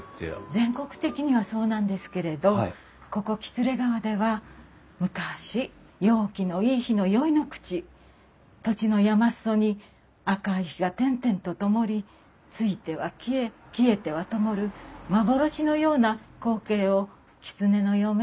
全国的にはそうなんですけれどここ喜連川では昔陽気のいい日の宵の口土地の山裾に赤い火が点々とともりついては消え消えてはともる幻のような光景を「きつねの嫁入り」といったそうです。